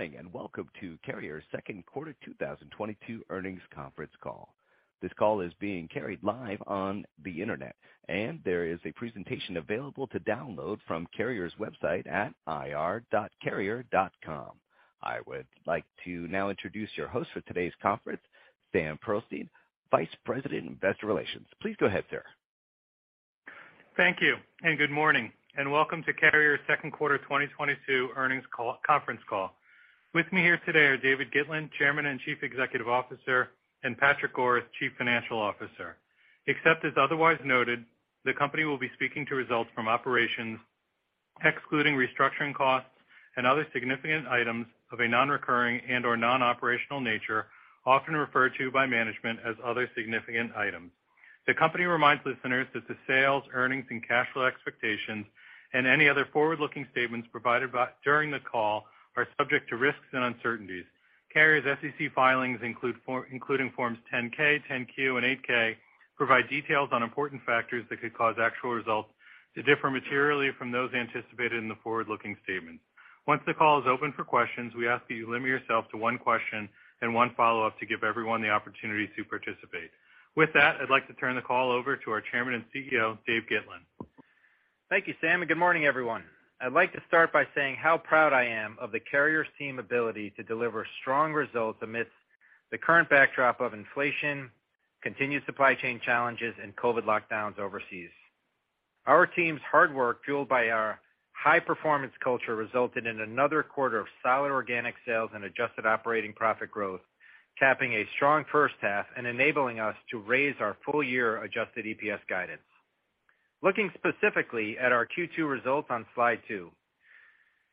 Good morning, and welcome to Carrier's second quarter 2022 earnings conference call. This call is being carried live on the internet, and there is a presentation available to download from Carrier's website at ir.carrier.com. I would like to now introduce your host for today's conference, Sam Pearlstein, Vice President, Investor Relations. Please go ahead, sir. Thank you, and good morning, and welcome to Carrier's second quarter 2022 earnings conference call. With me here today are David Gitlin, Chairman and Chief Executive Officer, and Patrick Goris, Chief Financial Officer. Except as otherwise noted, the company will be speaking to results from operations excluding restructuring costs and other significant items of a non-recurring and/or non-operational nature, often referred to by management as other significant items. The company reminds listeners that the sales, earnings, and cash flow expectations and any other forward-looking statements provided during the call are subject to risks and uncertainties. Carrier's SEC filings, including forms 10-K, 10-Q, and 8-K, provide details on important factors that could cause actual results to differ materially from those anticipated in the forward-looking statements. Once the call is open for questions, we ask that you limit yourself to one question and one follow-up to give everyone the opportunity to participate. With that, I'd like to turn the call over to our chairman and CEO, Dave Gitlin. Thank you, Sam, and good morning, everyone. I'd like to start by saying how proud I am of the Carrier team ability to deliver strong results amidst the current backdrop of inflation, continued supply chain challenges, and COVID lockdowns overseas. Our team's hard work, fueled by our high-performance culture, resulted in another quarter of solid organic sales and adjusted operating profit growth, capping a strong first half and enabling us to raise our full year adjusted EPS guidance. Looking specifically at our Q2 results on slide 2.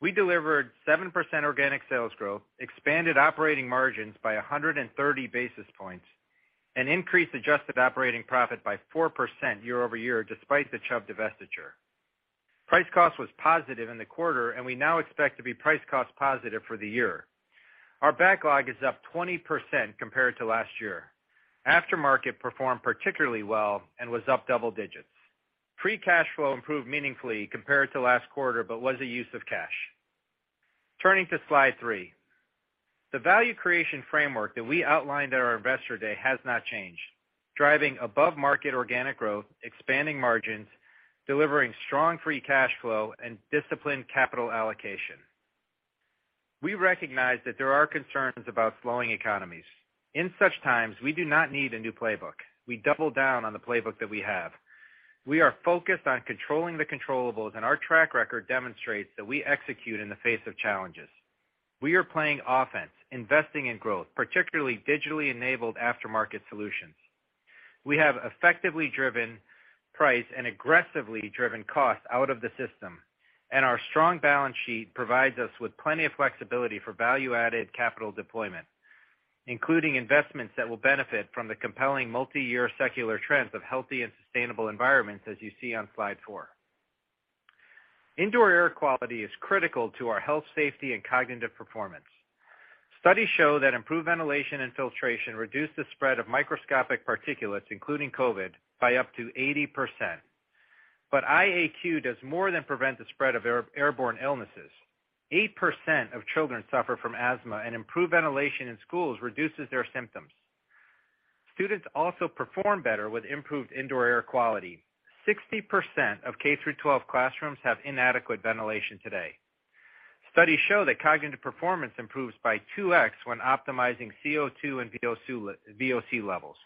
We delivered 7% organic sales growth, expanded operating margins by 130 basis points, and increased adjusted operating profit by 4% year-over-year, despite the Chubb divestiture. Price cost was positive in the quarter, and we now expect to be price cost positive for the year. Our backlog is up 20% compared to last year. Aftermarket performed particularly well and was up double digits. Free cash flow improved meaningfully compared to last quarter but was a use of cash. Turning to slide 3. The value creation framework that we outlined at our Investor Day has not changed. Driving above-market organic growth, expanding margins, delivering strong free cash flow, and disciplined capital allocation. We recognize that there are concerns about slowing economies. In such times, we do not need a new playbook. We double down on the playbook that we have. We are focused on controlling the controllables, and our track record demonstrates that we execute in the face of challenges. We are playing offense, investing in growth, particularly digitally enabled aftermarket solutions. We have effectively driven price and aggressively driven costs out of the system, and our strong balance sheet provides us with plenty of flexibility for value-added capital deployment, including investments that will benefit from the compelling multi-year secular trends of healthy and sustainable environments as you see on slide 4. Indoor air quality is critical to our health, safety, and cognitive performance. Studies show that improved ventilation and filtration reduce the spread of microscopic particulates, including COVID, by up to 80%. IAQ does more than prevent the spread of airborne illnesses. 8% of children suffer from asthma, and improved ventilation in schools reduces their symptoms. Students also perform better with improved indoor air quality. 60% of K-12 classrooms have inadequate ventilation today. Studies show that cognitive performance improves by 2x when optimizing CO2 and VOC levels.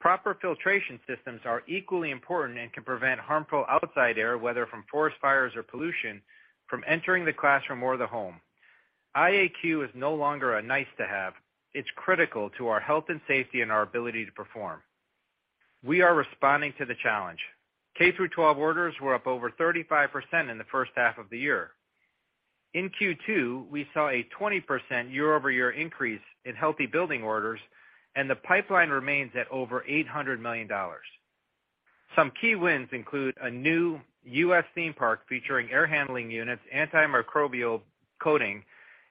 Proper filtration systems are equally important and can prevent harmful outside air, whether from forest fires or pollution, from entering the classroom or the home. IAQ is no longer a nice-to-have. It's critical to our health and safety and our ability to perform. We are responding to the challenge. K-12 orders were up over 35% in the first half of the year. In Q2, we saw a 20% year-over-year increase in Healthy Buildings orders, and the pipeline remains at over $800 million. Some key wins include a new U.S. theme park featuring air handling units, antimicrobial coating,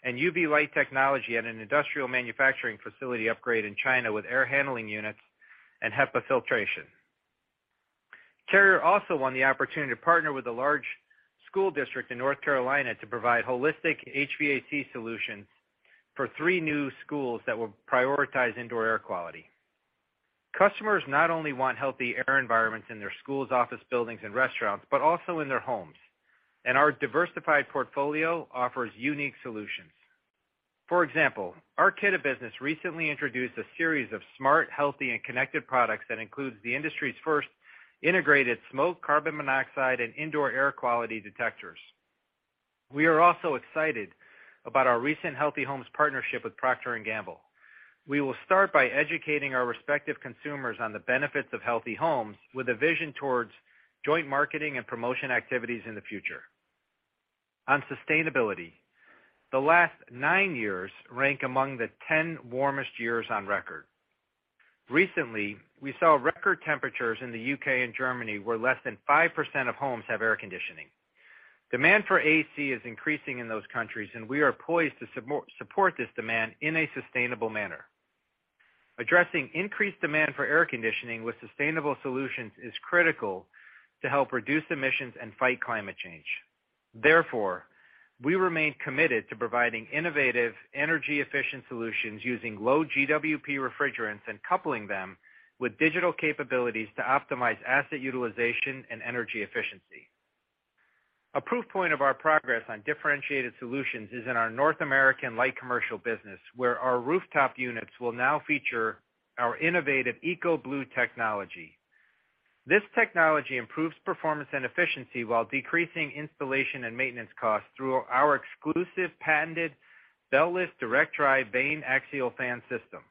and UV light technology at an industrial manufacturing facility upgrade in China with air handling units and HEPA filtration. Carrier also won the opportunity to partner with a large school district in North Carolina to provide holistic HVAC solutions for three new schools that will prioritize indoor air quality. Customers not only want healthy air environments in their schools, office buildings, and restaurants, but also in their homes. Our diversified portfolio offers unique solutions. For example, our Kidde business recently introduced a series of smart, healthy, and connected products that includes the industry's first integrated smoke, carbon monoxide, and indoor air quality detectors. We are also excited about our recent Healthy Homes partnership with Procter & Gamble. We will start by educating our respective consumers on the benefits of healthy homes with a vision towards joint marketing and promotion activities in the future. On sustainability. The last nine years rank among the ten warmest years on record. Recently, we saw record temperatures in the U.K. and Germany, where less than 5% of homes have air conditioning. Demand for AC is increasing in those countries, and we are poised to support this demand in a sustainable manner. Addressing increased demand for air conditioning with sustainable solutions is critical to help reduce emissions and fight climate change. Therefore, we remain committed to providing innovative, energy efficient solutions using low GWP refrigerants and coupling them with digital capabilities to optimize asset utilization and energy efficiency. A proof point of our progress on differentiated solutions is in our North American light commercial business, where our rooftop units will now feature our innovative EcoBlue technology. This technology improves performance and efficiency while decreasing installation and maintenance costs through our exclusive patented beltless direct-drive vane axial fan system,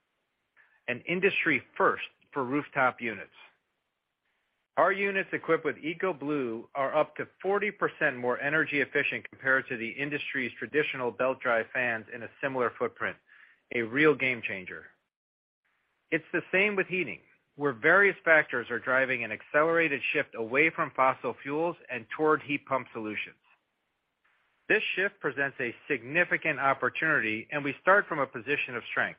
an industry first for rooftop units. Our units equipped with EcoBlue are up to 40% more energy efficient compared to the industry's traditional belt drive fans in a similar footprint. A real game changer. It's the same with heating, where various factors are driving an accelerated shift away from fossil fuels and toward heat pump solutions. This shift presents a significant opportunity, and we start from a position of strength.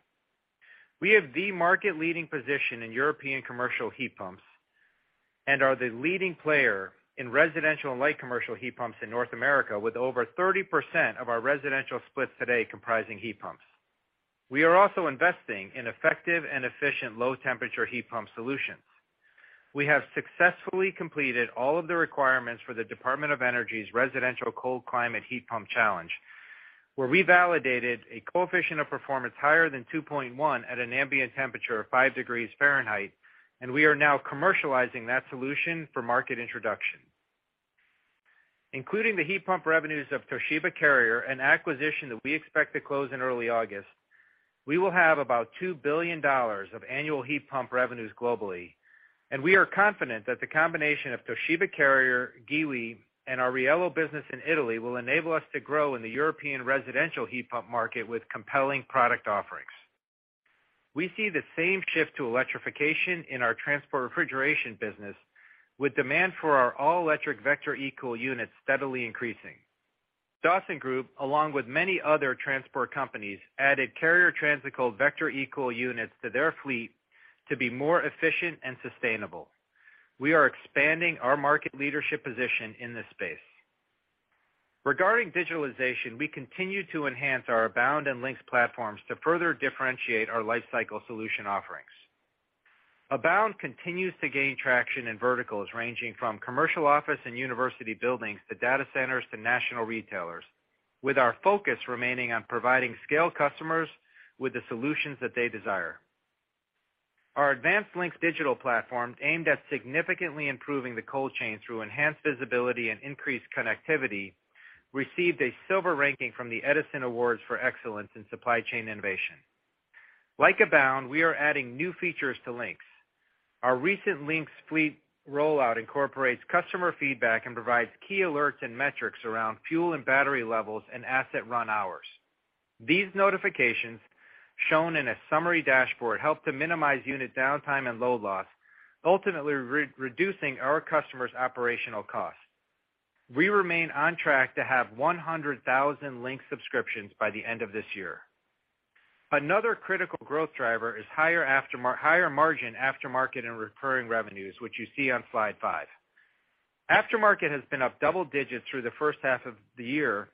We have the market-leading position in European commercial heat pumps, and are the leading player in residential and light commercial heat pumps in North America, with over 30% of our residential splits today comprising heat pumps. We are also investing in effective and efficient low-temperature heat pump solutions. We have successfully completed all of the requirements for the Department of Energy's residential cold climate heat pump challenge, where we validated a coefficient of performance higher than 2.1 at an ambient temperature of 5 degrees Fahrenheit, and we are now commercializing that solution for market introduction. Including the heat pump revenues of Toshiba Carrier, an acquisition that we expect to close in early August, we will have about $2 billion of annual heat pump revenues globally, and we are confident that the combination of Toshiba Carrier, Giwee, and our Riello business in Italy will enable us to grow in the European residential heat pump market with compelling product offerings. We see the same shift to electrification in our transport refrigeration business, with demand for our all-electric Vector eCool units steadily increasing. Dawsongroup, along with many other transport companies, added Carrier Transicold Vector eCool units to their fleet to be more efficient and sustainable. We are expanding our market leadership position in this space. Regarding digitalization, we continue to enhance our Abound and Lynx platforms to further differentiate our lifecycle solution offerings. Abound continues to gain traction in verticals ranging from commercial office and university buildings, to data centers, to national retailers. With our focus remaining on providing scale customers with the solutions that they desire. Our advanced Lynx digital platform, aimed at significantly improving the cold chain through enhanced visibility and increased connectivity, received a silver ranking from the Edison Awards for Excellence in Supply Chain Innovation. Like Abound, we are adding new features to Lynx. Our recent Lynx fleet rollout incorporates customer feedback and provides key alerts and metrics around fuel and battery levels and asset run hours. These notifications, shown in a summary dashboard, help to minimize unit downtime and load loss, ultimately re-reducing our customers' operational costs. We remain on track to have 100,000 Lynx subscriptions by the end of this year. Another critical growth driver is higher margin aftermarket and recurring revenues, which you see on slide 5. Aftermarket has been up double digits through the first half of the year,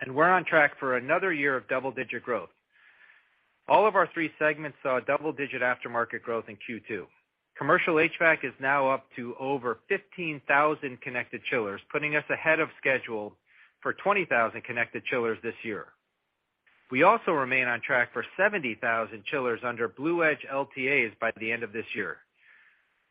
and we're on track for another year of double-digit growth. All of our three segments saw a double-digit aftermarket growth in Q2. Commercial HVAC is now up to over 15,000 connected chillers, putting us ahead of schedule for 20,000 connected chillers this year. We also remain on track for 70,000 chillers under BluEdge LTAs by the end of this year.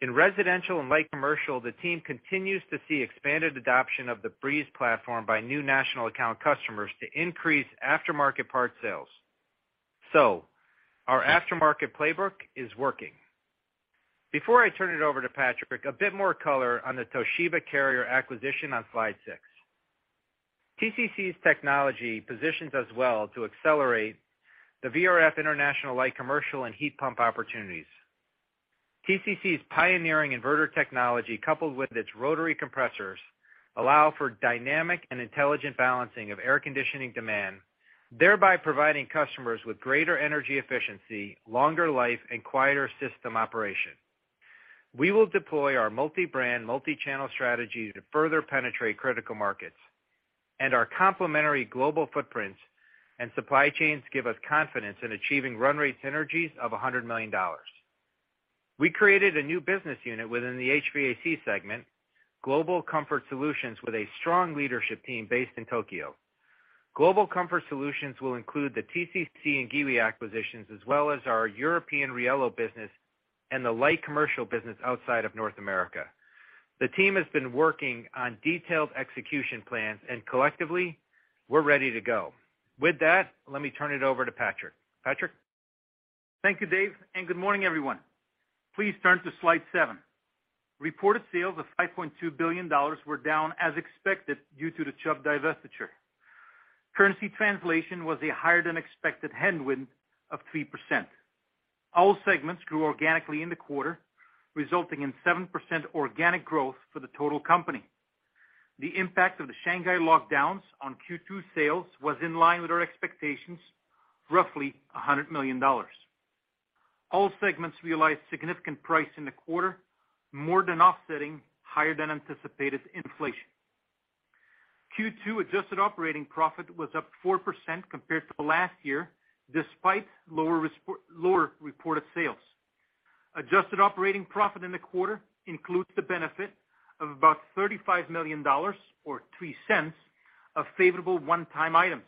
In residential and light commercial, the team continues to see expanded adoption of the Breeze platform by new national account customers to increase aftermarket part sales. Our aftermarket playbook is working. Before I turn it over to Patrick, a bit more color on the Toshiba Carrier acquisition on slide 6. TCC's technology positions us well to accelerate the VRF international light commercial and heat pump opportunities. TCC's pioneering inverter technology, coupled with its rotary compressors, allow for dynamic and intelligent balancing of air conditioning demand, thereby providing customers with greater energy efficiency, longer life, and quieter system operation. We will deploy our multi-brand, multi-channel strategy to further penetrate critical markets, and our complementary global footprints and supply chains give us confidence in achieving run rate synergies of $100 million. We created a new business unit within the HVAC segment, Global Comfort Solutions, with a strong leadership team based in Tokyo. Global Comfort Solutions will include the TCC and Giwee acquisitions, as well as our European Riello business and the light commercial business outside of North America. The team has been working on detailed execution plans and collectively, we're ready to go. With that, let me turn it over to Patrick. Patrick? Thank you, Dave, and good morning, everyone. Please turn to slide 7. Reported sales of $5.2 billion were down as expected due to the Chubb divestiture. Currency translation was a higher-than-expected headwind of 3%. All segments grew organically in the quarter, resulting in 7% organic growth for the total company. The impact of the Shanghai lockdowns on Q2 sales was in line with our expectations, roughly $100 million. All segments realized significant price in the quarter, more than offsetting higher than anticipated inflation. Q2 adjusted operating profit was up 4% compared to last year, despite lower reported sales. Adjusted operating profit in the quarter includes the benefit of about $35 million or 3 cents of favorable one-time items.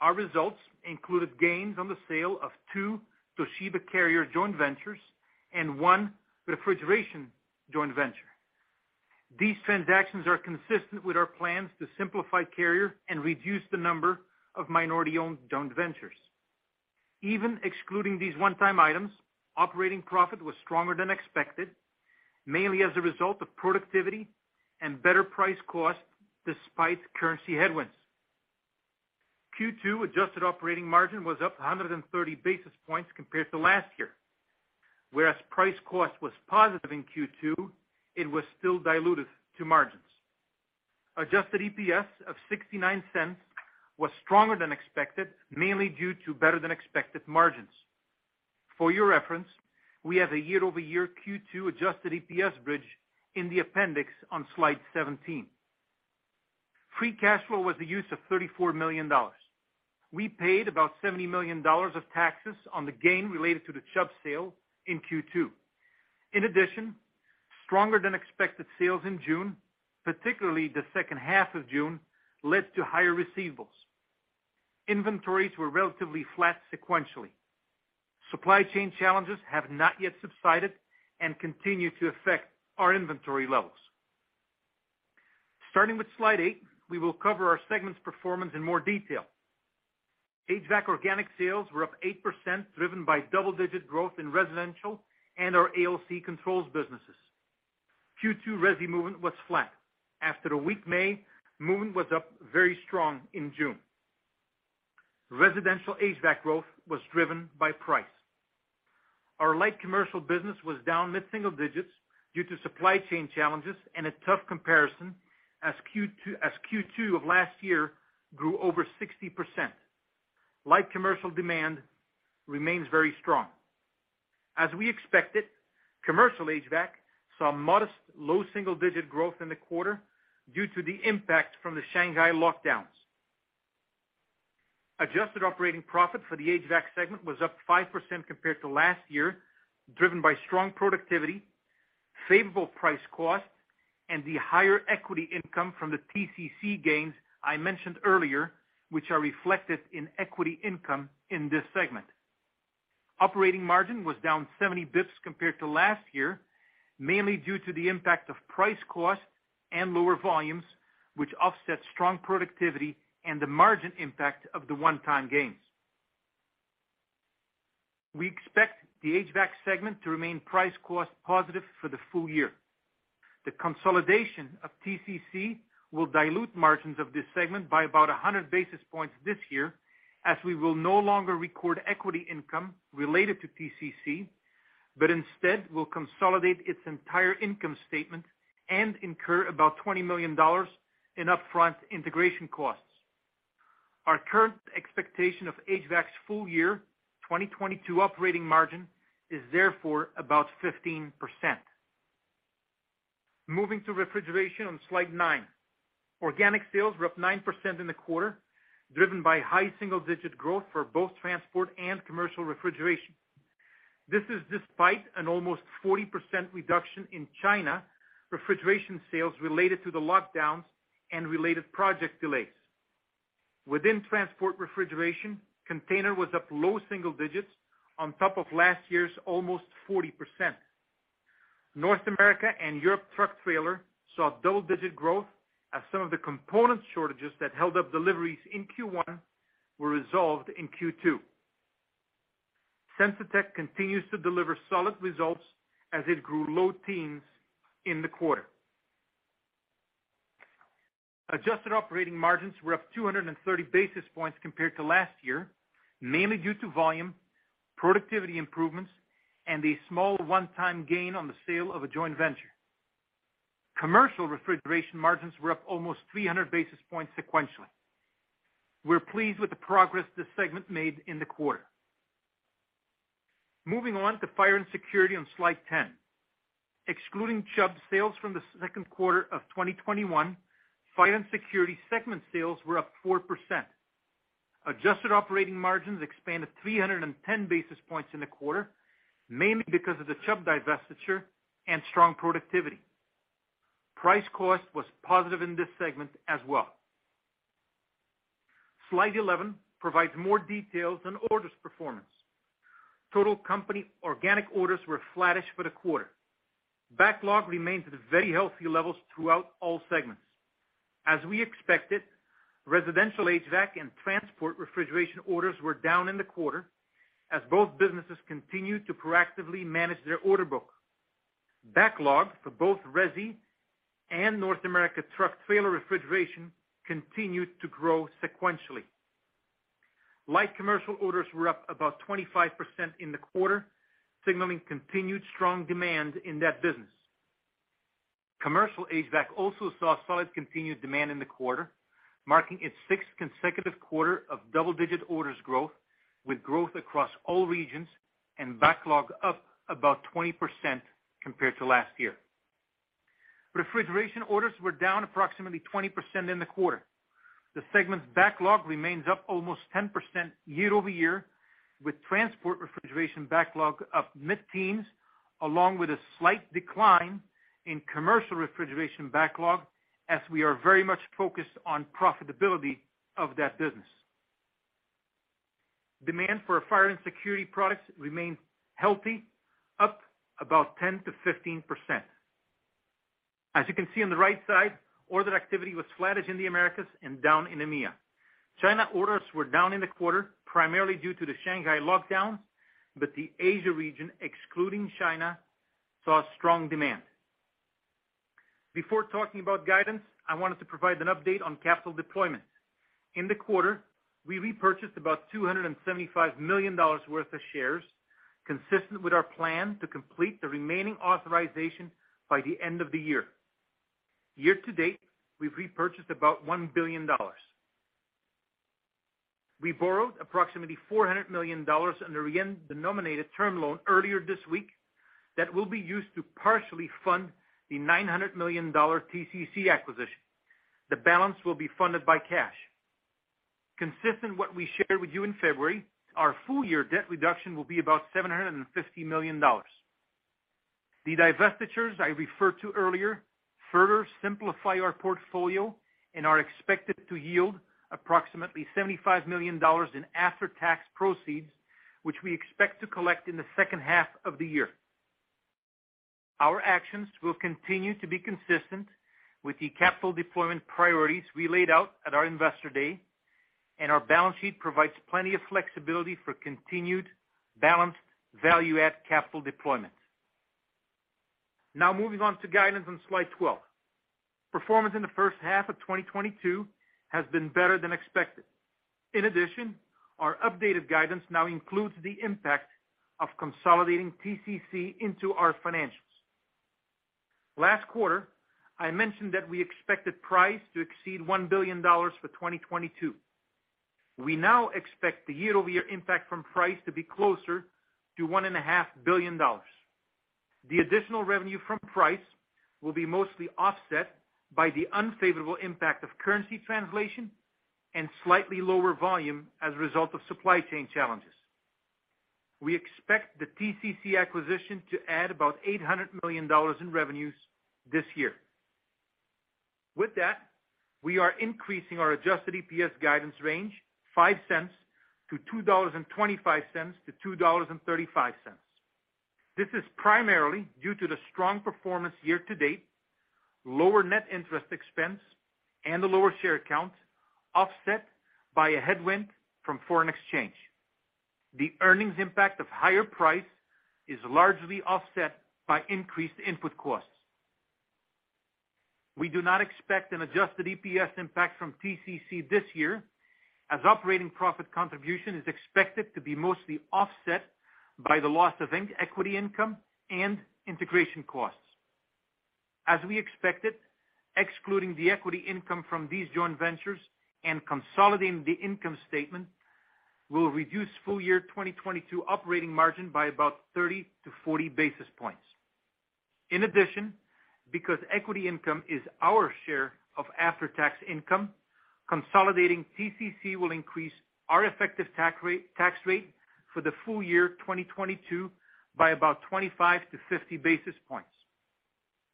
Our results included gains on the sale of two Toshiba Carrier joint ventures and one refrigeration joint venture. These transactions are consistent with our plans to simplify Carrier and reduce the number of minority-owned joint ventures. Even excluding these one-time items, operating profit was stronger than expected, mainly as a result of productivity and better price cost despite currency headwinds. Q2 adjusted operating margin was up 130 basis points compared to last year. Whereas price cost was positive in Q2, it was still dilutive to margins. Adjusted EPS of $0.69 was stronger than expected, mainly due to better than expected margins. For your reference, we have a year-over-year Q2 adjusted EPS bridge in the appendix on slide 17. Free cash flow was the use of $34 million. We paid about $70 million of taxes on the gain related to the Chubb sale in Q2. In addition, stronger than expected sales in June, particularly the second half of June, led to higher receivables. Inventories were relatively flat sequentially. Supply chain challenges have not yet subsided and continue to affect our inventory levels. Starting with slide eight, we will cover our segments performance in more detail. HVAC organic sales were up 8% driven by double-digit growth in residential and our ALC controls businesses. Q2 resi movement was flat. After a weak May, movement was up very strong in June. Residential HVAC growth was driven by price. Our light commercial business was down mid-single digits due to supply chain challenges and a tough comparison as Q2 of last year grew over 60%. Light commercial demand remains very strong. As we expected, commercial HVAC saw modest low-single-digit growth in the quarter due to the impact from the Shanghai lockdowns. Adjusted operating profit for the HVAC segment was up 5% compared to last year, driven by strong productivity, favorable price cost, and the higher equity income from the TCC gains I mentioned earlier, which are reflected in equity income in this segment. Operating margin was down 70 basis points compared to last year, mainly due to the impact of price cost and lower volumes, which offset strong productivity and the margin impact of the one-time gains. We expect the HVAC segment to remain price cost positive for the full year. The consolidation of TCC will dilute margins of this segment by about 100 basis points this year, as we will no longer record equity income related to TCC, but instead will consolidate its entire income statement and incur about $20 million in upfront integration costs. Our current expectation of HVAC's full-year 2022 operating margin is therefore about 15%. Moving to refrigeration on slide 9. Organic sales were up 9% in the quarter, driven by high single-digit growth for both transport and commercial refrigeration. This is despite an almost 40% reduction in China refrigeration sales related to the lockdowns and related project delays. Within transport refrigeration, container was up low single digits on top of last year's almost 40%. North America and Europe truck trailer saw double-digit growth as some of the component shortages that held up deliveries in Q1 were resolved in Q2. Sensitech continues to deliver solid results as it grew low teens in the quarter. Adjusted operating margins were up 230 basis points compared to last year, mainly due to volume, productivity improvements, and a small one-time gain on the sale of a joint venture. Commercial refrigeration margins were up almost 300 basis points sequentially. We're pleased with the progress this segment made in the quarter. Moving on to fire and security on slide 10. Excluding Chubb sales from the second quarter of 2021, fire and security segment sales were up 4%. Adjusted operating margins expanded 310 basis points in the quarter, mainly because of the Chubb divestiture and strong productivity. Price cost was positive in this segment as well. Slide 11 provides more details on orders performance. Total company organic orders were flattish for the quarter. Backlog remains at very healthy levels throughout all segments. As we expected, residential HVAC and transport refrigeration orders were down in the quarter as both businesses continued to proactively manage their order book. Backlog for both resi and North America truck trailer refrigeration continued to grow sequentially. Light commercial orders were up about 25% in the quarter, signaling continued strong demand in that business. Commercial HVAC also saw solid continued demand in the quarter, marking its sixth consecutive quarter of double-digit orders growth, with growth across all regions and backlog up about 20% compared to last year. Refrigeration orders were down approximately 20% in the quarter. The segment's backlog remains up almost 10% year-over-year, with transport refrigeration backlog up mid-teens, along with a slight decline in commercial refrigeration backlog as we are very much focused on profitability of that business. Demand for fire and security products remained healthy, up about 10%-15%. As you can see on the right side, order activity was flattish in the Americas and down in EMEA. China orders were down in the quarter, primarily due to the Shanghai lockdown. The Asia region, excluding China, saw strong demand. Before talking about guidance, I wanted to provide an update on capital deployment. In the quarter, we repurchased about $275 million worth of shares, consistent with our plan to complete the remaining authorization by the end of the year. Year to date, we've repurchased about $1 billion. We borrowed approximately $400 million under a yen-denominated term loan earlier this week that will be used to partially fund the $900 million TCC acquisition. The balance will be funded by cash. Consistent what we shared with you in February, our full year debt reduction will be about $750 million. The divestitures I referred to earlier further simplify our portfolio and are expected to yield approximately $75 million in after-tax proceeds, which we expect to collect in the second half of the year. Our actions will continue to be consistent with the capital deployment priorities we laid out at our Investor Day, and our balance sheet provides plenty of flexibility for continued balanced value add capital deployment. Now moving on to guidance on slide 12. Performance in the first half of 2022 has been better than expected. In addition, our updated guidance now includes the impact of consolidating TCC into our financials. Last quarter, I mentioned that we expected price to exceed $1 billion for 2022. We now expect the year-over-year impact from price to be closer to $1.5 billion. The additional revenue from price will be mostly offset by the unfavorable impact of currency translation and slightly lower volume as a result of supply chain challenges. We expect the TCC acquisition to add about $800 million in revenues this year. With that, we are increasing our adjusted EPS guidance range 5 cents to $2.25-$2.35. This is primarily due to the strong performance year to date, lower net interest expense, and a lower share count offset by a headwind from foreign exchange. The earnings impact of higher price is largely offset by increased input costs. We do not expect an adjusted EPS impact from TCC this year, as operating profit contribution is expected to be mostly offset by the loss of in-equity income and integration costs. As we expected, excluding the equity income from these joint ventures and consolidating the income statement will reduce full year 2022 operating margin by about 30-40 basis points. In addition, because equity income is our share of after-tax income, consolidating TCC will increase our effective tax rate for the full year 2022 by about 25-50 basis points.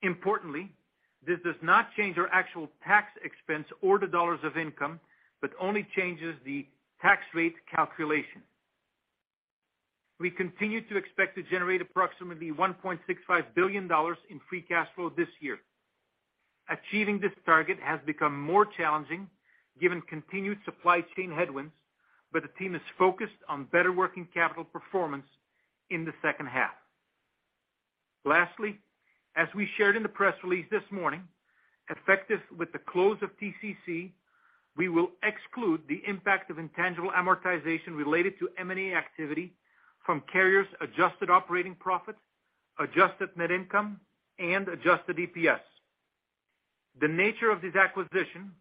Importantly, this does not change our actual tax expense or the dollars of income, but only changes the tax rate calculation. We continue to expect to generate approximately $1.65 billion in free cash flow this year. Achieving this target has become more challenging given continued supply chain headwinds, but the team is focused on better working capital performance in the second half. Lastly, as we shared in the press release this morning, effective with the close of TCC, we will exclude the impact of intangible amortization related to M&A activity from Carrier's adjusted operating profit, adjusted net income, and adjusted EPS. The nature of this acquisition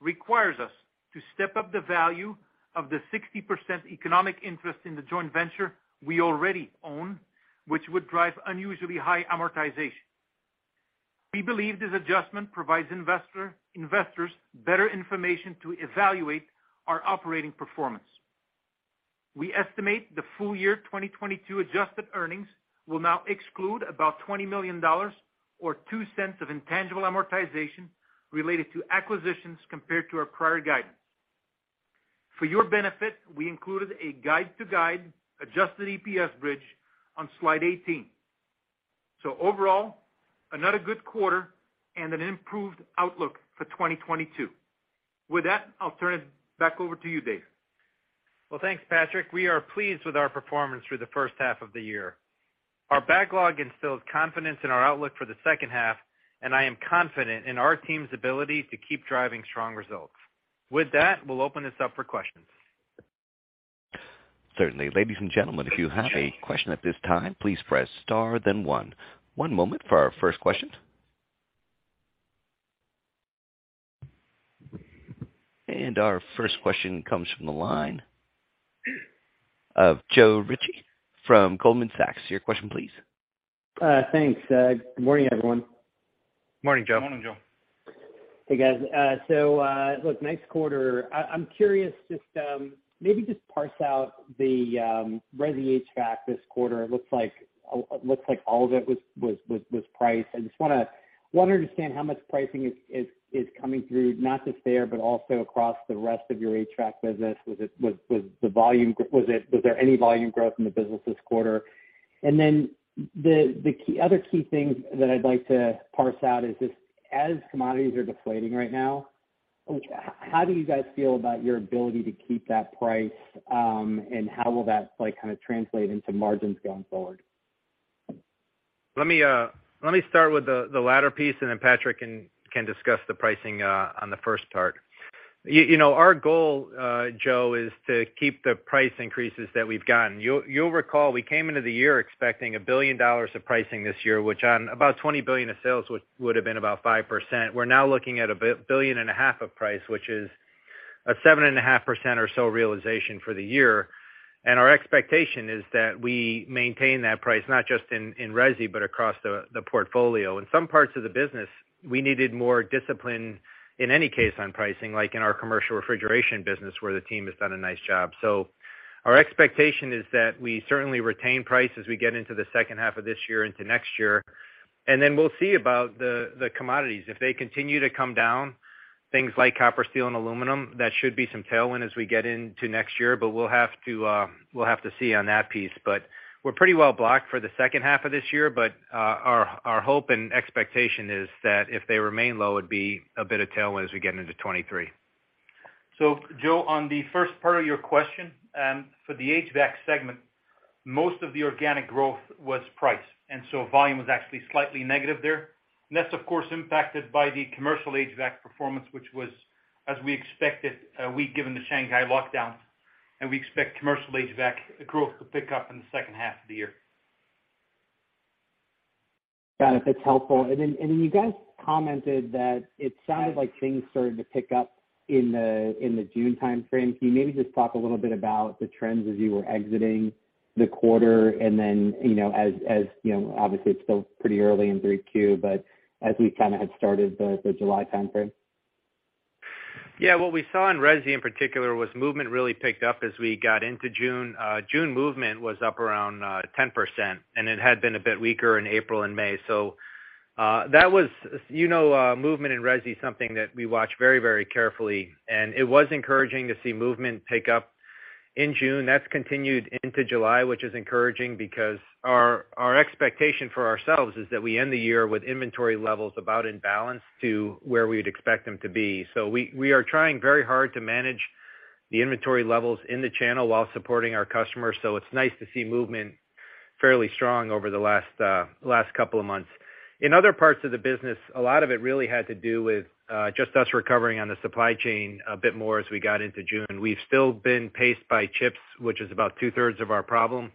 requires us to step up the value of the 60% economic interest in the joint venture we already own, which would drive unusually high amortization. We believe this adjustment provides investors better information to evaluate our operating performance. We estimate the full year 2022 adjusted earnings will now exclude about $20 million or $0.02 of intangible amortization related to acquisitions compared to our prior guidance. For your benefit, we included a guide to adjusted EPS bridge on slide 18. Overall, another good quarter and an improved outlook for 2022. With that, I'll turn it back over to you, Dave. Well, thanks, Patrick. We are pleased with our performance through the first half of the year. Our backlog instills confidence in our outlook for the second half, and I am confident in our team's ability to keep driving strong results. With that, we'll open this up for questions. Certainly. Ladies and gentlemen, if you have a question at this time, please press * then 1. One moment for our first question. Our first question comes from the line of Joe Ritchie from Goldman Sachs. Your question please. Thanks. Good morning, everyone. Morning, Joe. Morning, Joe. Hey, guys. Look, nice quarter. I'm curious, just maybe parse out the resi HVAC this quarter. It looks like all of it was priced. I just wanna understand how much pricing is coming through, not just there, but also across the rest of your HVAC business. Was there any volume growth in the business this quarter? Other key things that I'd like to parse out is just as commodities are deflating right now, how do you guys feel about your ability to keep that price, and how will that like kinda translate into margins going forward? Let me start with the latter piece, and then Patrick can discuss the pricing on the first part. You know, our goal, Joe, is to keep the price increases that we've gotten. You'll recall, we came into the year expecting $1 billion of pricing this year, which on about $20 billion of sales would've been about 5%. We're now looking at $1.5 billion of price, which is 7.5% or so realization for the year. Our expectation is that we maintain that price not just in resi, but across the portfolio. In some parts of the business, we needed more discipline in any case on pricing, like in our commercial refrigeration business, where the team has done a nice job. Our expectation is that we certainly retain price as we get into the second half of this year into next year. Then we'll see about the commodities. If they continue to come down, things like copper, steel, and aluminum, that should be some tailwind as we get into next year, but we'll have to see on that piece. We're pretty well blocked for the second half of this year, but our hope and expectation is that if they remain low, it'd be a bit of tailwind as we get into 2023. Joe, on the first part of your question, for the HVAC segment, most of the organic growth was price, and so volume was actually slightly negative there. That's of course impacted by the commercial HVAC performance, which was as we expected, weak given the Shanghai lockdown, and we expect commercial HVAC growth to pick up in the second half of the year. Got it, that's helpful. Then you guys commented that it sounded like things started to pick up in the June timeframe. Can you maybe just talk a little bit about the trends as you were exiting the quarter and then, you know, as you know, obviously it's still pretty early in 3Q, but as we kinda had started the July timeframe? What we saw in resi in particular was movement really picked up as we got into June. June movement was up around 10%, and it had been a bit weaker in April and May. You know, movement in resi is something that we watch very, very carefully, and it was encouraging to see movement pick up in June. That's continued into July, which is encouraging because our expectation for ourselves is that we end the year with inventory levels about in balance to where we'd expect them to be. We are trying very hard to manage the inventory levels in the channel while supporting our customers, so it's nice to see movement fairly strong over the last couple of months. In other parts of the business, a lot of it really had to do with just us recovering on the supply chain a bit more as we got into June. We've still been paced by chips, which is about two-thirds of our problem.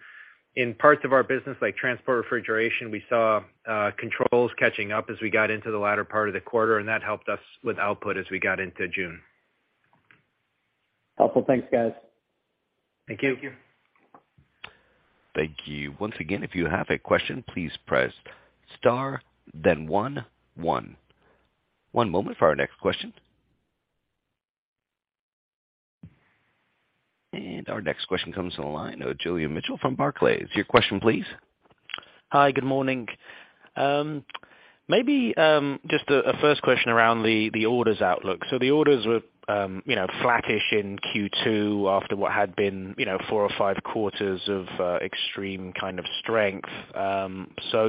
In parts of our business like transport refrigeration, we saw controls catching up as we got into the latter part of the quarter, and that helped us with output as we got into June. Helpful. Thanks, guys. Thank you. Thank you. Thank you. Once again, if you have a question, please press * then 11. One moment for our next question. Our next question comes to the line of Julian Mitchell from Barclays. Your question please. Hi. Good morning. Maybe just a first question around the orders outlook. The orders were, you know, flattish in Q2 after what had been, you know, four or five quarters of extreme kind of strength.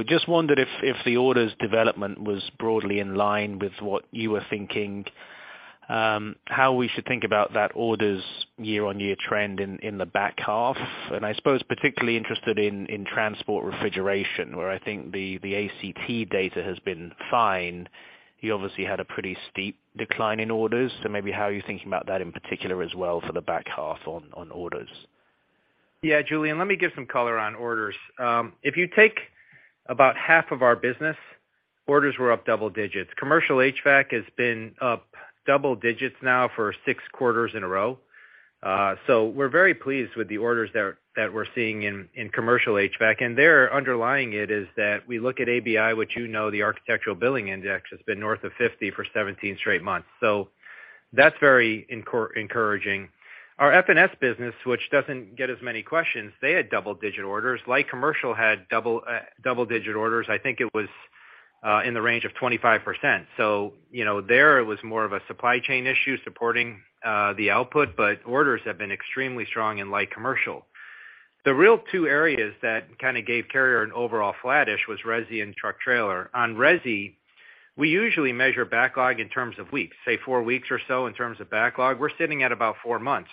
Just wondered if the orders development was broadly in line with what you were thinking, how we should think about that orders year-on-year trend in the back half. I suppose particularly interested in transport refrigeration, where I think the ACT data has been fine. You obviously had a pretty steep decline in orders. Maybe how are you thinking about that in particular as well for the back half on orders? Julian, let me give some color on orders. If you take about half of our business, orders were up double digits. Commercial HVAC has been up double digits now for six quarters in a row. We're very pleased with the orders that we're seeing in commercial HVAC. Underlying it is that we look at ABI, which you know, the architectural billing index has been north of 50 for 17 straight months. That's very encouraging. Our FNS business, which doesn't get as many questions, they had double-digit orders. Light commercial had double-digit orders. I think it was in the range of 25%. You know, there it was more of a supply chain issue supporting the output, but orders have been extremely strong in light commercial. The real two areas that kinda gave Carrier an overall flattish were resi and truck trailer. On resi, we usually measure backlog in terms of weeks, say four weeks or so in terms of backlog. We're sitting at about four months.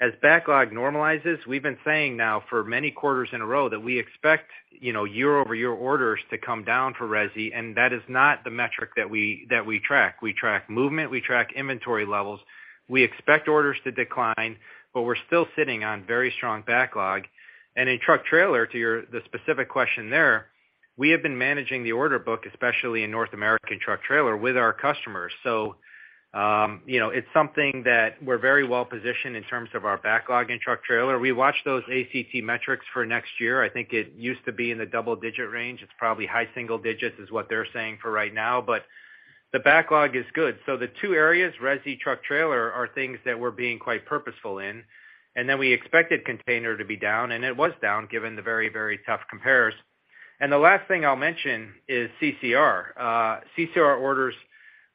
As backlog normalizes, we've been saying now for many quarters in a row that we expect, you know, year-over-year orders to come down for resi, and that is not the metric that we track. We track movement, we track inventory levels. We expect orders to decline, but we're still sitting on very strong backlog. In truck trailer to your point, the specific question there, we have been managing the order book, especially in North American truck trailer with our customers. You know, it's something that we're very well-positioned in terms of our backlog in truck trailer. We watch those ACT metrics for next year. I think it used to be in the double digit range. It's probably high single digits is what they're saying for right now. The backlog is good. The two areas, resi, truck trailer, are things that we're being quite purposeful in, and then we expected container to be down, and it was down given the very, very tough compares. The last thing I'll mention is CCR. CCR orders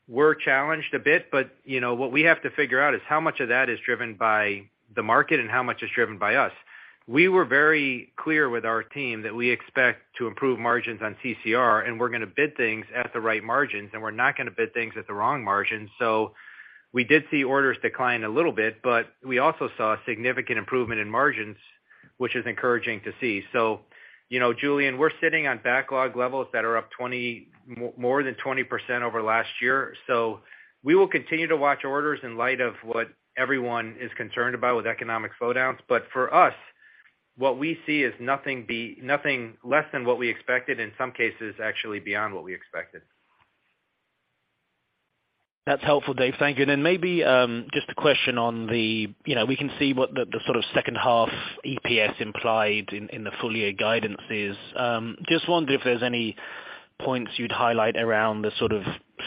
were challenged a bit, but, you know, what we have to figure out is how much of that is driven by the market and how much is driven by us. We were very clear with our team that we expect to improve margins on CCR, and we're gonna bid things at the right margins, and we're not gonna bid things at the wrong margins. We did see orders decline a little bit, but we also saw significant improvement in margins, which is encouraging to see. You know, Julian, we're sitting on backlog levels that are up more than 20% over last year. We will continue to watch orders in light of what everyone is concerned about with economic slowdowns. For us, what we see is nothing less than what we expected, in some cases, actually beyond what we expected. That's helpful, Dave. Thank you. Maybe just a question on the, you know, we can see what the sort of second half EPS implied in the full year guidance is. Just wondered if there's any points you'd highlight around the sort of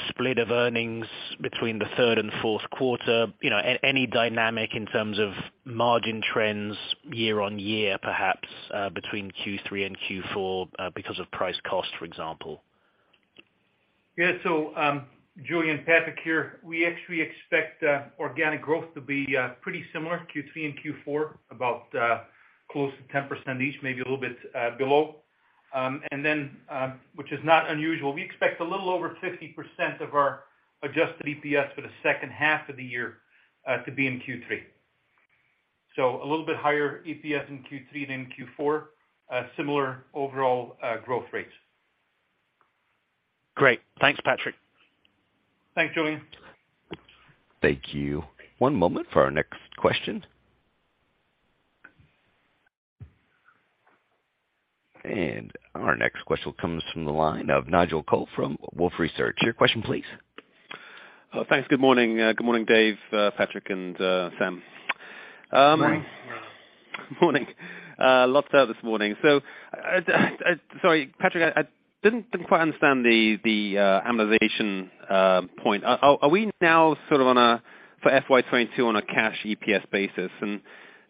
split of earnings between the third and fourth quarter, you know, any dynamic in terms of margin trends year-over-year, perhaps, between Q3 and Q4, because of price cost, for example. Julian, Patrick here. We actually expect organic growth to be pretty similar Q3 and Q4, about close to 10% each, maybe a little bit below. Which is not unusual, we expect a little over 50% of our adjusted EPS for the second half of the year to be in Q3. A little bit higher EPS in Q3 than in Q4. Similar overall growth rates. Great. Thanks, Patrick. Thanks, Julian. Thank you. One moment for our next question. Our next question comes from the line of Nigel Coe from Wolfe Research. Your question, please. Thanks. Good morning. Good morning, Dave, Patrick, and Sam. Morning. Morning. Lots this morning. Sorry, Patrick, I didn't quite understand the amortization point. Are we now sort of on a for FY 22 on a cash EPS basis?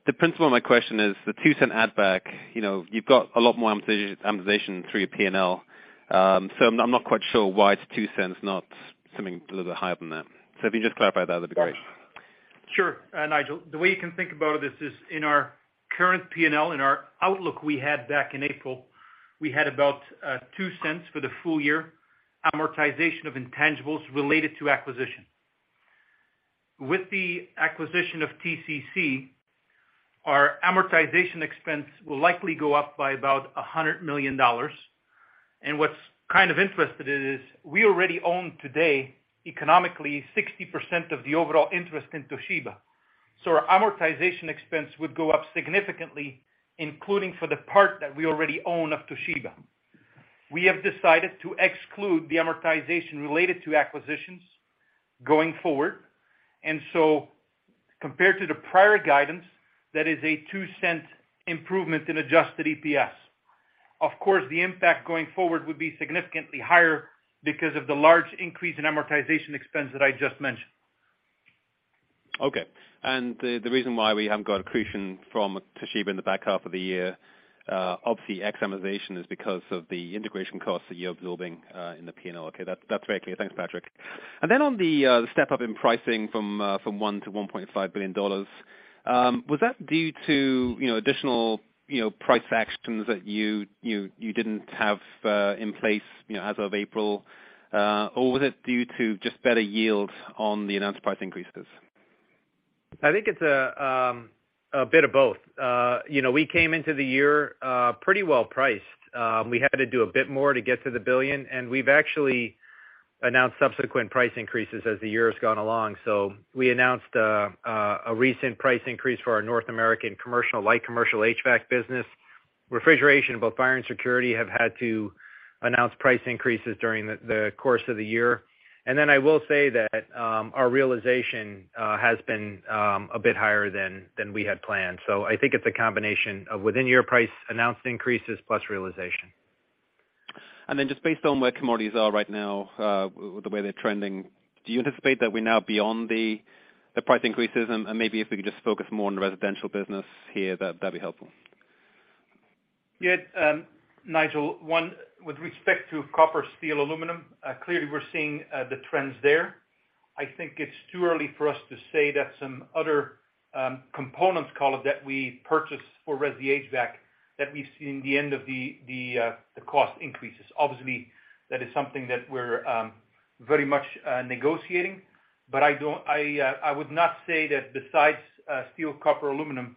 The principal of my question is the $0.02 add-back. You know, you've got a lot more amortization through your P&L. I'm not quite sure why it's $0.02, not something a little bit higher than that. If you can just clarify that'd be great. Sure, Nigel. The way you can think about this is in our current P&L, in our outlook we had back in April, we had about $0.02 for the full year amortization of intangibles related to acquisition. With the acquisition of TCC, our amortization expense will likely go up by about $100 million. What's kind of interesting is we already own today, economically, 60% of the overall interest in Toshiba. Our amortization expense would go up significantly, including for the part that we already own of Toshiba. We have decided to exclude the amortization related to acquisitions going forward. Compared to the prior guidance, that is a $0.02 improvement in adjusted EPS. Of course, the impact going forward would be significantly higher because of the large increase in amortization expense that I just mentioned. The reason why we haven't got accretion from Toshiba in the back half of the year, obviously, the amortization is because of the integration costs that you're absorbing in the P&L. That's very clear. Thanks, Patrick. On the step-up in pricing from $1-$1.5 billion, was that due to, you know, additional, you know, price actions that you didn't have in place, you know, as of April? Or was it due to just better yields on the announced price increases? I think it's a bit of both. You know, we came into the year pretty well priced. We had to do a bit more to get to the billion, and we've actually announced subsequent price increases as the year has gone along. We announced a recent price increase for our North American commercial, light commercial HVAC business. Refrigeration, both fire and security, have had to announce price increases during the course of the year. I will say that our realization has been a bit higher than we had planned. I think it's a combination of within year price announced increases plus realization. Just based on where commodities are right now, with the way they're trending, do you anticipate that we're now beyond the price increases? Maybe if we could just focus more on the residential business here, that'd be helpful. Nigel, one, with respect to copper, steel, aluminum, clearly we're seeing the trends there. I think it's too early for us to say that some other components call it that we purchase for res HVAC that we've seen the end of the cost increases. Obviously, that is something that we're very much negotiating, but I would not say that besides steel, copper, aluminum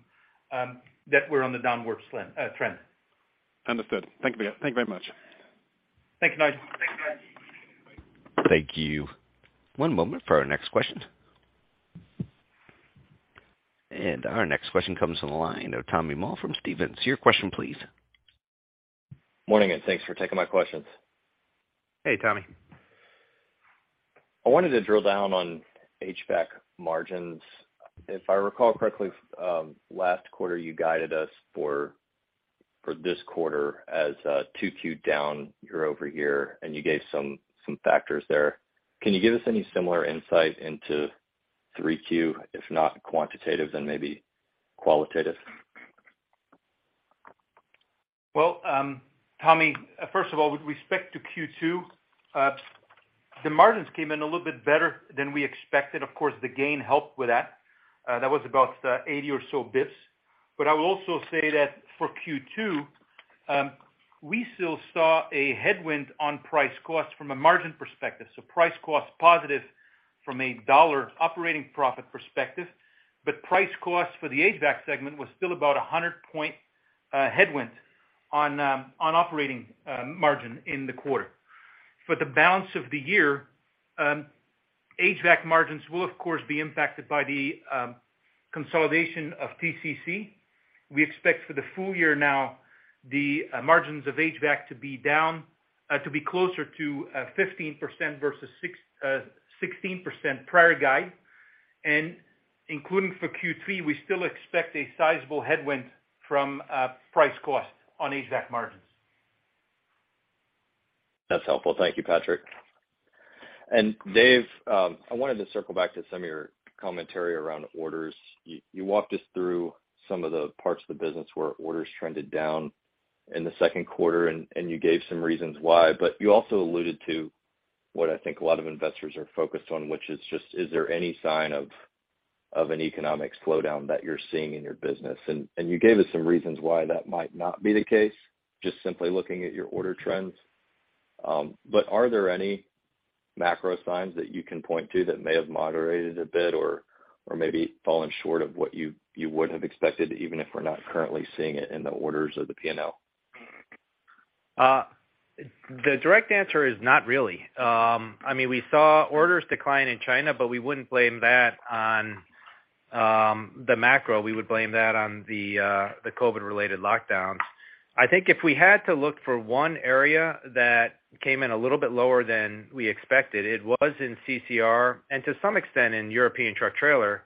that we're on the downward slope trend. Understood. Thank you. Thank you very much. Thank you. Nice. Thank you. One moment for our next question. Our next question comes from the line of Tommy Moll from Stephens. Your question, please. Morning, and thanks for taking my questions. Hey, Tommy. I wanted to drill down on HVAC margins. If I recall correctly, last quarter you guided us for this quarter as 2Q down, year-over-year, and you gave some factors there. Can you give us any similar insight into 3Q, if not quantitative, then maybe qualitative? Well, Tommy, first of all, with respect to Q2, the margins came in a little bit better than we expected. Of course, the gain helped with that. That was about 80 or so basis points. I will also say that for Q2, we still saw a headwind on price cost from a margin perspective. Price cost positive from a dollar operating profit perspective. Price cost for the HVAC segment was still about 100 basis points headwind on operating margin in the quarter. For the balance of the year, HVAC margins will of course be impacted by the consolidation of TCC. We expect for the full year now the margins of HVAC to be down to be closer to 15% versus 16% prior guide. Including for Q3, we still expect a sizable headwind from price cost on HVAC margins. That's helpful. Thank you, Patrick. Dave, I wanted to circle back to some of your commentary around orders. You walked us through some of the parts of the business where orders trended down in the second quarter and you gave some reasons why, but you also alluded to what I think a lot of investors are focused on, which is just, is there any sign of an economic slowdown that you're seeing in your business? You gave us some reasons why that might not be the case, just simply looking at your order trends. But are there any macro signs that you can point to that may have moderated a bit or maybe fallen short of what you would have expected, even if we're not currently seeing it in the orders of the P&L? The direct answer is not really. I mean, we saw orders decline in China, but we wouldn't blame that on the macro. We would blame that on the COVID related lockdowns. I think if we had to look for one area that came in a little bit lower than we expected, it was in CCR and to some extent in European truck trailer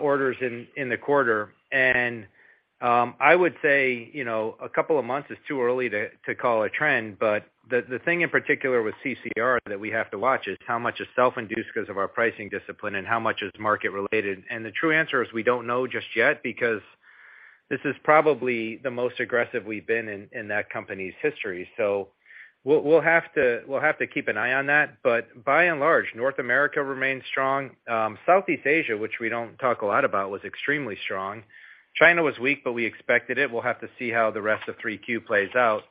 orders in the quarter. I would say, you know, a couple of months is too early to call a trend. The thing in particular with CCR that we have to watch is how much is self-induced because of our pricing discipline and how much is market related. The true answer is we don't know just yet because this is probably the most aggressive we've been in that company's history. We'll have to keep an eye on that. By and large, North America remains strong. Southeast Asia, which we don't talk a lot about, was extremely strong. China was weak, but we expected it. We'll have to see how the rest of 3Q plays out.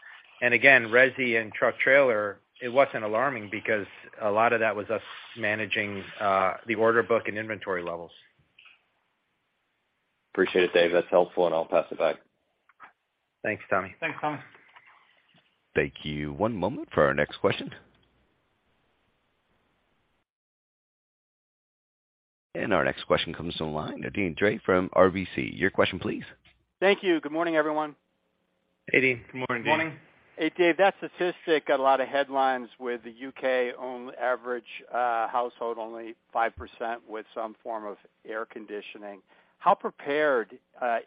Again, resi and truck trailer, it wasn't alarming because a lot of that was us managing the order book and inventory levels. Appreciate it, Dave. That's helpful. I'll pass it back. Thanks, Tommy. Thank you. One moment for our next question. Our next question comes to the line of Deane Dray from RBC. Your question, please. Thank you. Good morning, everyone. Hey, Deane. Good morning, Deane. Morning. Hey, Dave, that statistic got a lot of headlines with the U.K.'s own average household only 5% with some form of air conditioning. How prepared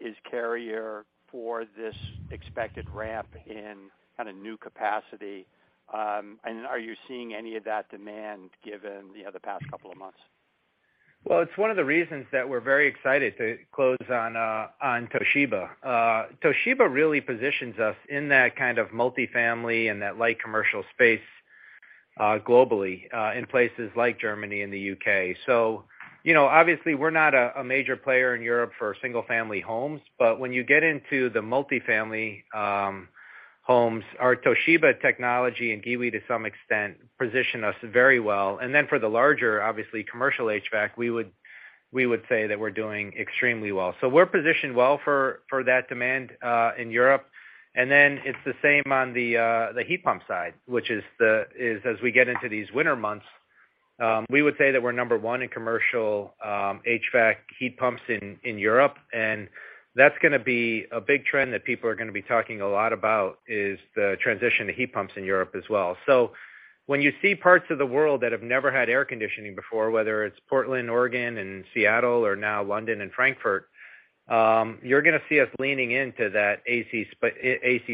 is Carrier for this expected ramp in kind of new capacity? Are you seeing any of that demand given, you know, the past couple of months? Well, it's one of the reasons that we're very excited to close on Toshiba. Toshiba really positions us in that kind of multifamily and that light commercial space, globally, in places like Germany and the U.K. You know, obviously we're not a major player in Europe for single family homes, but when you get into the multifamily homes, our Toshiba technology and Giwee to some extent position us very well. For the larger, obviously commercial HVAC, we would say that we're doing extremely well. We're positioned well for that demand in Europe. It's the same on the heat pump side, which is as we get into these winter months, we would say that we're number one in commercial HVAC heat pumps in Europe. That's gonna be a big trend that people are gonna be talking a lot about is the transition to heat pumps in Europe as well. When you see parts of the world that have never had air conditioning before, whether it's Portland, Oregon, and Seattle, or now London and Frankfurt, you're gonna see us leaning into that AC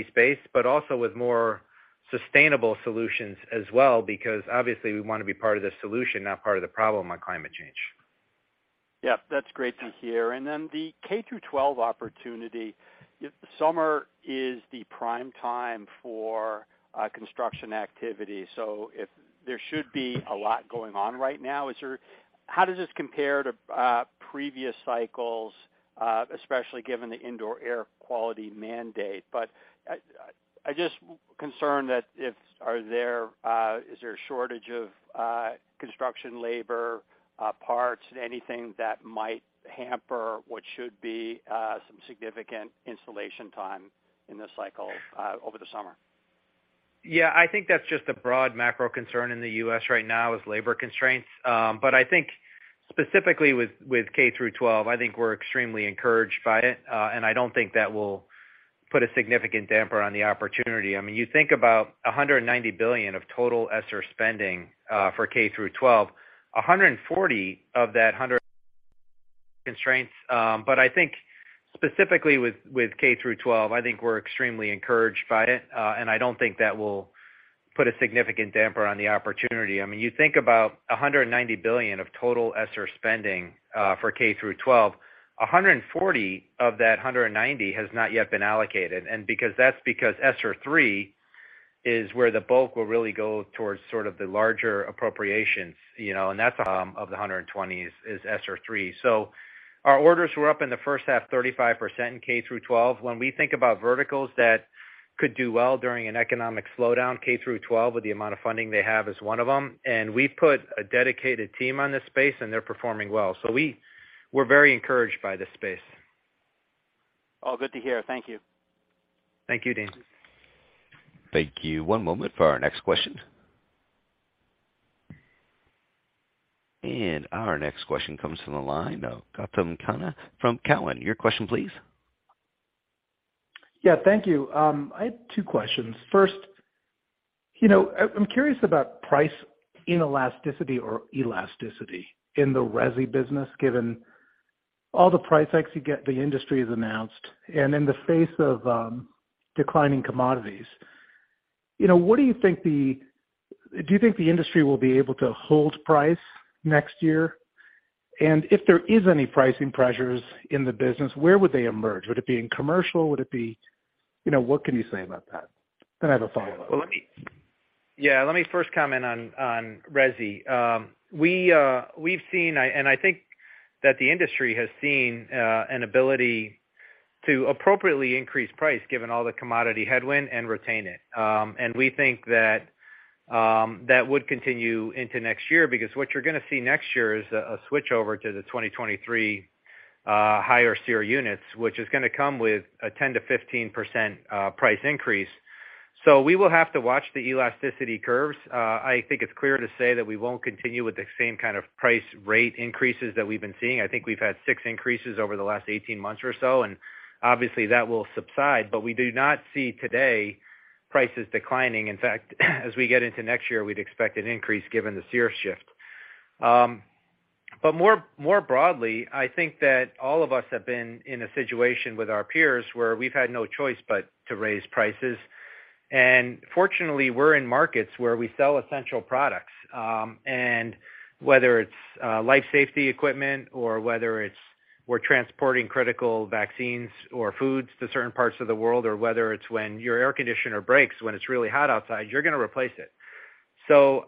space, but also with more sustainable solutions as well, because obviously we wanna be part of the solution, not part of the problem on climate change. That's great to hear. The K-12 opportunity. Summer is the prime time for construction activity. If there should be a lot going on right now, how does this compare to previous cycles, especially given the indoor air quality mandate? I'm just concerned. Is there a shortage of construction labor, parts, anything that might hamper what should be some significant installation time in this cycle over the summer? I think that's just a broad macro concern in the U.S. right now, is labor constraints. I think specifically with K-12, I think we're extremely encouraged by it, and I don't think that will put a significant damper on the opportunity. I mean, you think about $190 billion of total ESSER spending for K-12. 140 of that 190 has not yet been allocated. Because that's ESSER three is where the bulk will really go towards sort of the larger appropriations, you know, and that's of the 120 is ESSER three. Our orders were up in the first half, 35% in K-12. When we think about verticals that could do well during an economic slowdown, K-12 with the amount of funding they have is one of them. We've put a dedicated team on this space, and they're performing well. We're very encouraged by this space. All good to hear. Thank you. Thank you, Deane. Thank you. One moment for our next question. Our next question comes from the line of Gautam Khanna from Cowen. Your question, please. Thank you. I have two questions. First, you know, I'm curious about price inelasticity or elasticity in the resi business, given all the price hikes that the industry has announced and in the face of declining commodities. You know, do you think the industry will be able to hold price next year? If there is any pricing pressures in the business, where would they emerge? Would it be in commercial? You know, what can you say about that? I have a follow-up. Let me first comment on resi. We've seen, and I think that the industry has seen, an ability to appropriately increase price given all the commodity headwind and retain it. We think that would continue into next year, because what you're gonna see next year is a switch over to the 2023 higher SEER units, which is gonna come with a 10%-15% price increase. We will have to watch the elasticity curves. I think it's clear to say that we won't continue with the same kind of pricing increases that we've been seeing. I think we've had 6 increases over the last 18 months or so, and obviously that will subside. We do not see today's prices declining. In fact, as we get into next year, we'd expect an increase given the SEER shift. More broadly, I think that all of us have been in a situation with our peers where we've had no choice but to raise prices. Fortunately, we're in markets where we sell essential products, and whether it's life safety equipment or whether it's we're transporting critical vaccines or foods to certain parts of the world, or whether it's when your air conditioner breaks when it's really hot outside, you're gonna replace it.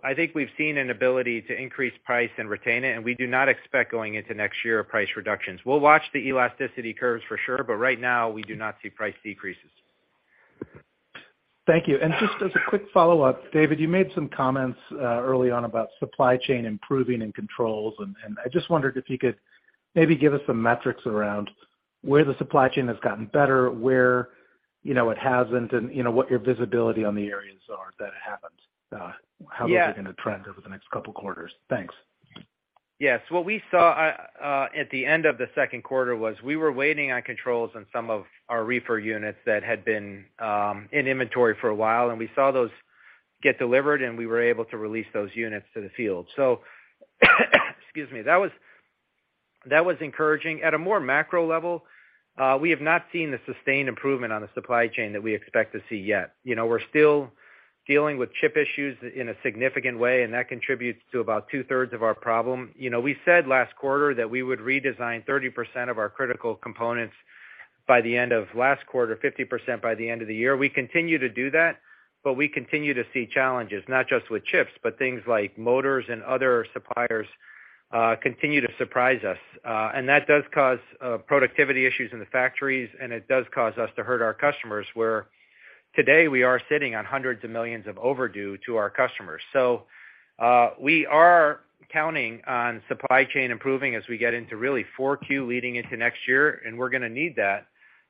I think we've seen an ability to increase price and retain it, and we do not expect going into next year price reductions. We'll watch the elasticity curves for sure, right now we do not see price decreases. Thank you. Just as a quick follow-up. David, you made some comments early on about supply chain improving and controls, and I just wondered if you could maybe give us some metrics around where the supply chain has gotten better, where you know it hasn't, and you know what your visibility on the areas are that it happens? How is it going to trend over the next couple quarters? Thanks. Yes. What we saw at the end of the second quarter was we were waiting on controls on some of our reefer units that had been in inventory for a while, and we saw those get delivered, and we were able to release those units to the field. Excuse me. That was encouraging. At a more macro level, we have not seen the sustained improvement on the supply chain that we expect to see yet. You know, we're still dealing with chip issues in a significant way, and that contributes to about two-thirds of our problem. You know, we said last quarter that we would redesign 30% of our critical components by the end of last quarter, 50% by the end of the year. We continue to do that, but we continue to see challenges not just with chips, but things like motors and other suppliers continue to surprise us. That does cause productivity issues in the factories, and it does cause us to hurt our customers, where today we are sitting on $hundreds of millions overdue to our customers. We are counting on supply chain improving as we get into really 4Q leading into next year, and we're gonna need that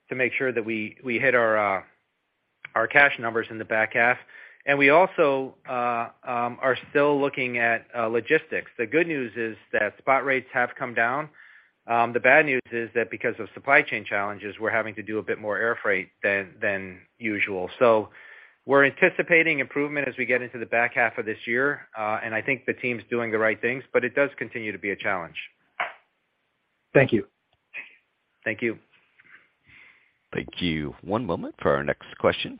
to make sure that we hit our cash numbers in the back half. We also are still looking at logistics. The good news is that spot rates have come down. The bad news is that because of supply chain challenges, we're having to do a bit more air freight than usual. We're anticipating improvement as we get into the back half of this year. I think the team's doing the right things, but it does continue to be a challenge. Thank you. Thank you. Thank you. One moment for our next question.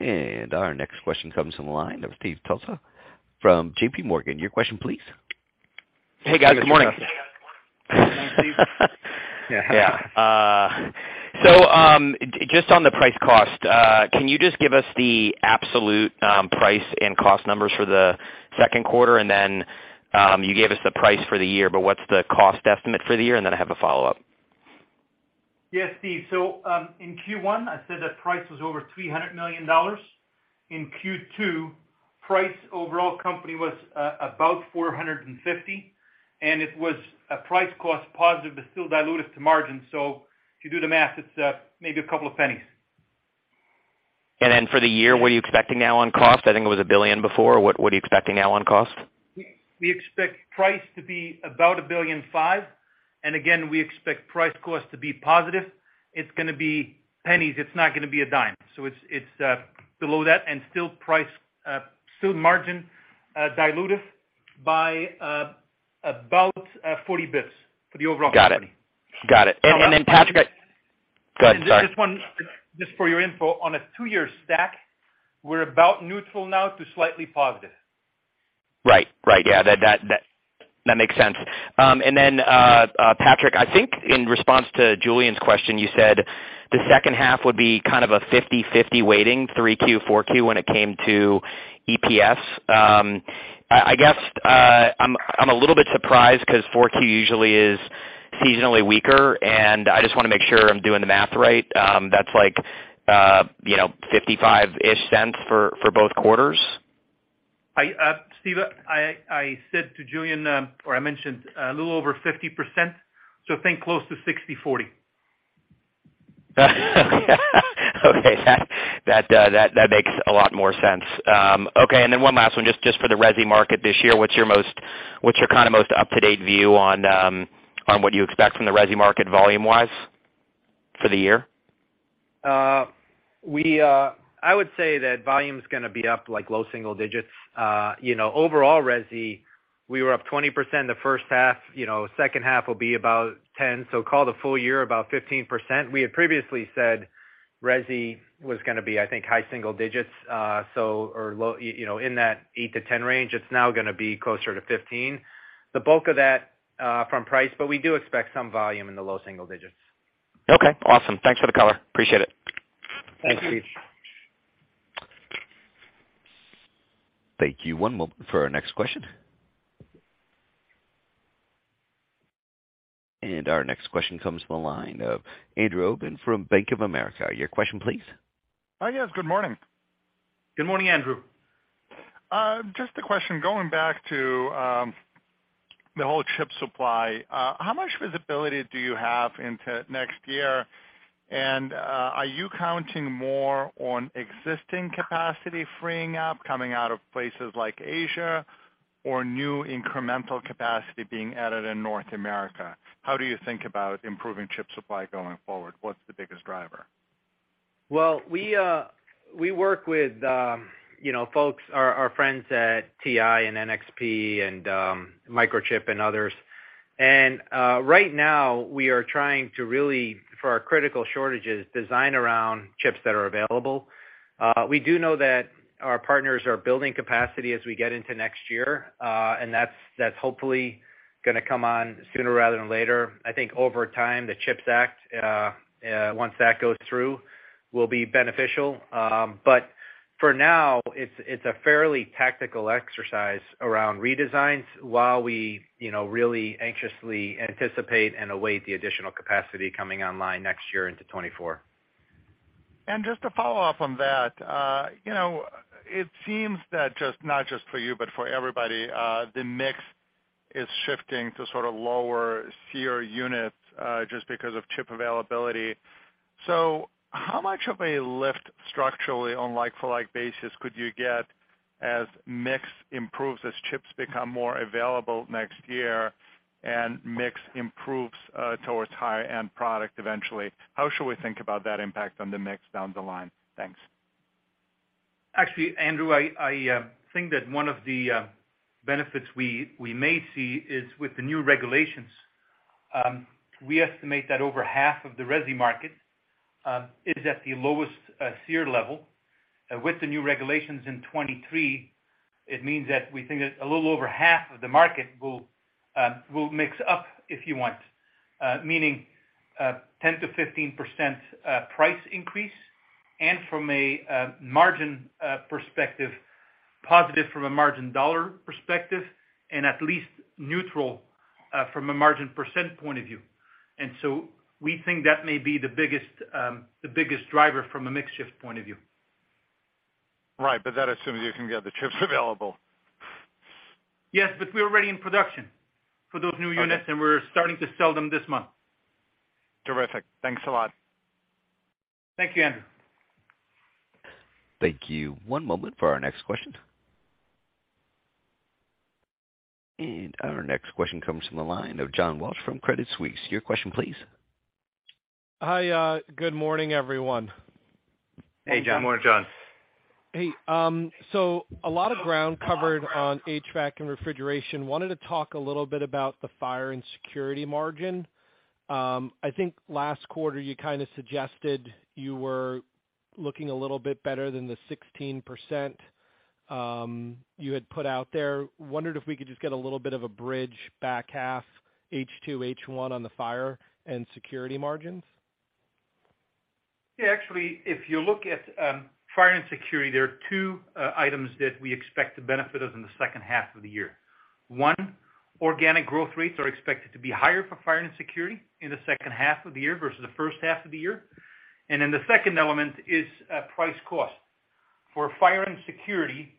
Our next question comes from the line of Steve Tusa from J.P. Morgan. Your question, please. Hey, guys. Good morning. Good morning, Steve. Just on the price cost, can you just give us the absolute price and cost numbers for the second quarter? You gave us the price for the year, but what's the cost estimate for the year? I have a follow-up. Yes, Steve Tusa. In Q1, I said that price was over $300 million. In Q2, price overall company was about $450 million, and it was a price-cost positive, but still dilutive to margin. If you do the math, it's maybe a couple of pennies. For the year, what are you expecting now on cost? I think it was $1 billion before. What are you expecting now on cost? We expect price to be about $1.5 billion. Again, we expect price cost to be positive. It's gonna be pennies. It's not gonna be a dime. It's below that and still price, still margin diluted by about 40 basis points for the overall company. Got it. Patrick- And just- Go ahead. Sorry. Just for your info, on a two-year stack, we're about neutral now to slightly positive. Right. That makes sense. Then, Patrick, I think in response to Julian's question, you said the second half would be kind of a 50/50 weighting, 3Q, 4Q, when it came to EPS. I guess I'm a little bit surprised because 4Q usually is seasonally weaker, and I just wanna make sure I'm doing the math right. That's like, you know, $0.55-ish for both quarters. Steve, I said to Julian or I mentioned a little over 50%, so I think close to 60/40. Okay. That makes a lot more sense. Okay. One last one. Just for the resi market this year, what's your kinda most up-to-date view on what you expect from the resi market volume-wise for the year? I would say that volume's gonna be up like low single digits. You know, overall resi, we were up 20% the first half. You know, second half will be about 10, so call the full year about 15%. We had previously said resi was gonna be, I think, high single digits, so or low. You know, in that 8-10 range. It's now gonna be closer to 15. The bulk of that, from price, but we do expect some volume in the low single digits. Okay. Awesome. Thanks for the color. Appreciate it. Thanks, Steve. Thank you. One moment for our next question. Our next question comes from the line of Andrew Obin from Bank of America. Your question, please. Hi, guys. Good morning. Good morning, Andrew. Just a question. Going back to the whole chip supply, how much visibility do you have into next year? Are you counting more on existing capacity freeing up, coming out of places like Asia or new incremental capacity being added in North America? How do you think about improving chip supply going forward? What's the biggest driver? Well, we work with, you know, folks, our friends at TI and NXP and Microchip and others. Right now we are trying to really, for our critical shortages, design around chips that are available. We do know that our partners are building capacity as we get into next year, and that's hopefully gonna come on sooner rather than later. I think over time, the CHIPS Act, once that goes through, will be beneficial. For now, it's a fairly tactical exercise around redesigns while we, you know, really anxiously anticipate and await the additional capacity coming online next year into 2024. Just to follow up on that, you know, it seems that just, not just for you, but for everybody, the mix is shifting to sort of lower SEER units, just because of chip availability. How much of a lift structurally on like-for-like basis could you get as mix improves, as chips become more available next year and mix improves, towards higher end product eventually? How should we think about that impact on the mix down the line? Thanks. Actually, Andrew, I think that one of the benefits we may see is with the new regulations. We estimate that over half of the resi market is at the lowest SEER level. With the new regulations in 2023, it means that we think that a little over half of the market will mix up, if you want, meaning 10%-15% price increase. From a margin perspective, positive from a margin dollar perspective and at least neutral from a margin percent point of view. We think that may be the biggest driver from a mix shift point of view. Right. That assumes you can get the chips available. Yes, we're already in production for those new units. Okay. We're starting to sell them this month. Terrific. Thanks a lot. Thank you, Andrew. Thank you. One moment for our next question. Our next question comes from the line of John Walsh from Credit Suisse. Your question, please. Hi. Good morning, everyone. Hey, John. Good morning, John. Hey, a lot of ground covered on HVAC and refrigeration. Wanted to talk a little bit about the fire and security margin. I think last quarter you kinda suggested you were looking a little bit better than the 16%, you had put out there. Wondered if we could just get a little bit of a bridge back half H2, H1 on the fire and security margins? Actually, if you look at fire and security, there are two items that we expect to benefit us in the second half of the year. One, organic growth rates are expected to be higher for fire and security in the second half of the year versus the first half of the year. The second element is price cost. For fire and security,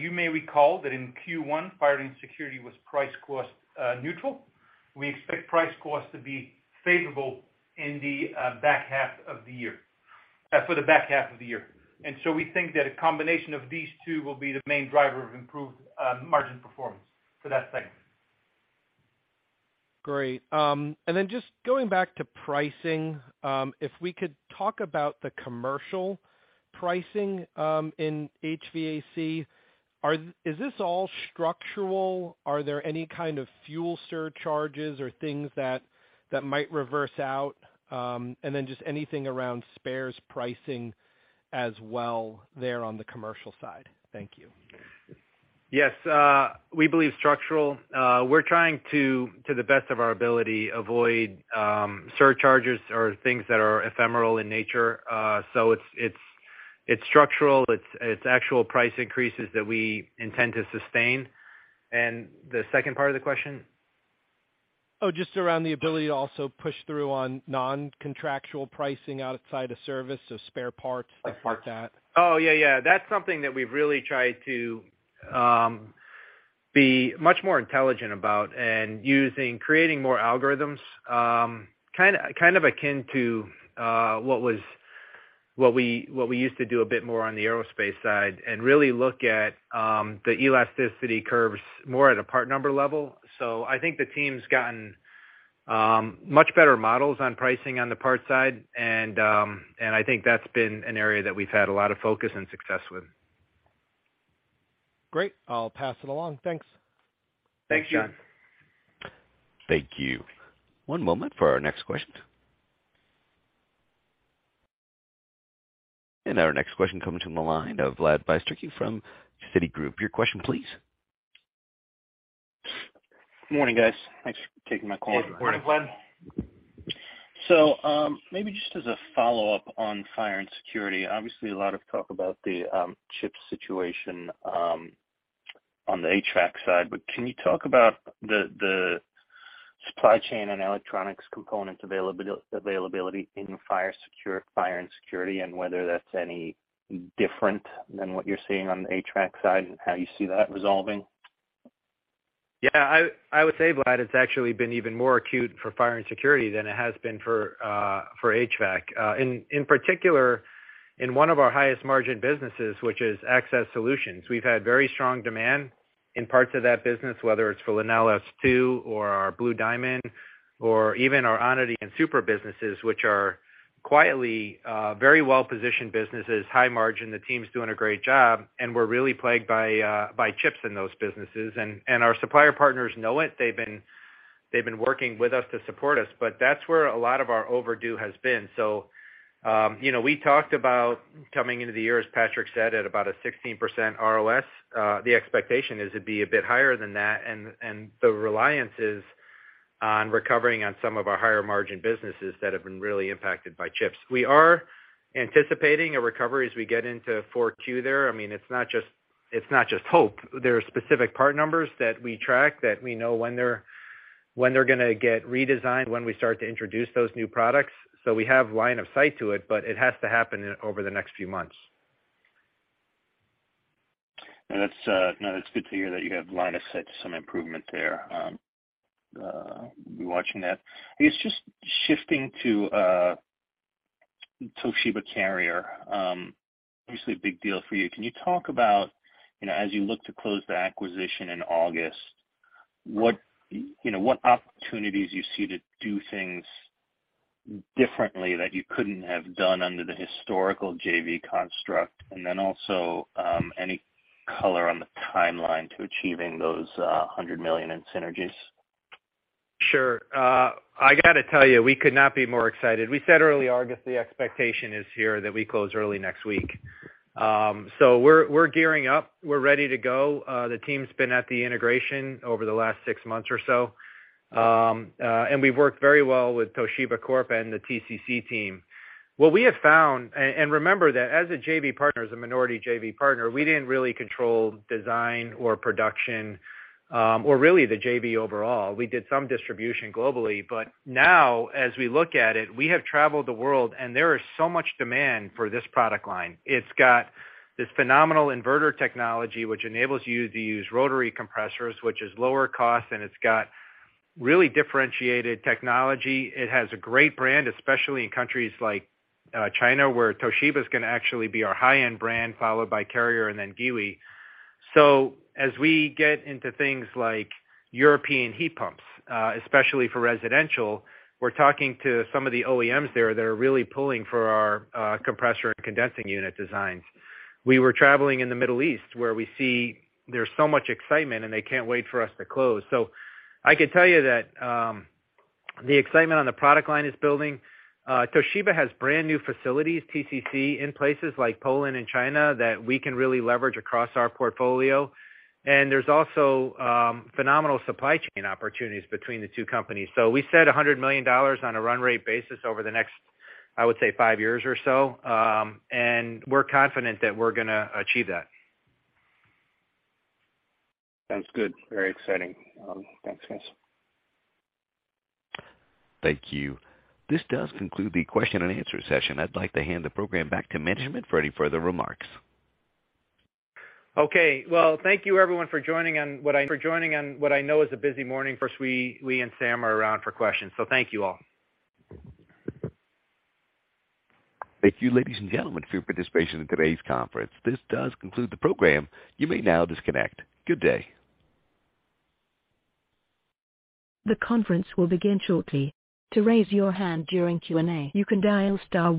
you may recall that in Q1, fire and security was price cost neutral. We expect price cost to be favorable in the back half of the year. We think that a combination of these two will be the main driver of improved margin performance for that segment. Great. Just going back to pricing, if we could talk about the commercial pricing in HVAC. Is this all structural? Are there any kind of fuel surcharges or things that might reverse out? Just anything around spares pricing as well there on the commercial side. Thank you. Yes. We believe structural. We're trying to the best of our ability avoid surcharges or things that are ephemeral in nature. So it's structural. It's actual price increases that we intend to sustain. The second part of the question? Oh, just around the ability to also push through on non-contractual pricing outside of service, so spare parts, like that. Oh, yeah. That's something that we've really tried to be much more intelligent about and creating more algorithms. Kind of akin to what we used to do a bit more on the aerospace side and really look at the elasticity curves more at a part number level. I think the team's gotten much better models on pricing on the parts side and I think that's been an area that we've had a lot of focus and success with. Great. I'll pass it along. Thanks. Thanks, John. Thank you. One moment for our next question. Our next question coming from the line of Vladimir Bystricky from Citigroup. Your question please. Morning, guys. Thanks for taking my call. Hey, good morning, Vlad. Maybe just as a follow-up on fire and security. Obviously, a lot of talk about the chip situation on the HVAC side, but can you talk about the supply chain and electronics component availability in fire and security and whether that's any different than what you're seeing on the HVAC side, and how you see that resolving? I would say, Vlad, it's actually been even more acute for fire and security than it has been for HVAC. In particular, in one of our highest margin businesses, which is access solutions. We've had very strong demand in parts of that business, whether it's for LenelS2 or our BlueDiamond or even our Onity and Supra businesses, which are quietly very well-positioned businesses, high margin, the team's doing a great job, and we're really plagued by chips in those businesses. Our supplier partners know it. They've been working with us to support us, but that's where a lot of our overdue has been. You know, we talked about coming into the year, as Patrick said, at about a 16% ROS. The expectation is it'd be a bit higher than that, and the reliance is on recovering on some of our higher margin businesses that have been really impacted by chips. We are anticipating a recovery as we get into Q4 there. I mean, it's not just hope. There are specific part numbers that we track that we know when they're gonna get redesigned, when we start to introduce those new products. We have line of sight to it, but it has to happen over the next few months. That's good to hear that you have line of sight to some improvement there. We'll be watching that. I guess just shifting to Toshiba Carrier, obviously a big deal for you. Can you talk about, you know, as you look to close the acquisition in August, what, you know, what opportunities you see to do things differently that you couldn't have done under the historical JV construct? Also, any color on the timeline to achieving those $100 million in synergies? Sure. I gotta tell you, we could not be more excited. We said early August, the expectation is here that we close early next week. We're gearing up. We're ready to go. The team's been at the integration over the last six months or so. We've worked very well with Toshiba Corporation and the TCC team. What we have found. Remember that as a JV partner, as a minority JV partner, we didn't really control design or production, or really the JV overall. We did some distribution globally, but now as we look at it, we have traveled the world and there is so much demand for this product line. It's got this phenomenal inverter technology, which enables you to use rotary compressors, which is lower cost, and it's got really differentiated technology. It has a great brand, especially in countries like China, where Toshiba is gonna actually be our high-end brand, followed by Carrier and then Giwee. As we get into things like European heat pumps, especially for residential, we're talking to some of the OEMs there that are really pulling for our compressor and condensing unit designs. We were traveling in the Middle East, where we see there's so much excitement and they can't wait for us to close. I can tell you that the excitement on the product line is building. Toshiba has brand new facilities, TCC, in places like Poland and China that we can really leverage across our portfolio. There's also phenomenal supply chain opportunities between the two companies. We said $100 million on a run rate basis over the next, I would say, 5 years or so. We're confident that we're gonna achieve that. Sounds good. Very exciting. Thanks, guys. Thank you. This does conclude the question and answer session. I'd like to hand the program back to management for any further remarks. Okay. Well, thank you everyone for joining on what I know is a busy morning. Of course, we and Sam are around for questions. Thank you all. Thank you, ladies and gentlemen, for your participation in today's conference. This does conclude the program. You may now disconnect. Good day. The conference will begin shortly. To raise your hand during Q&A, you can dial *1.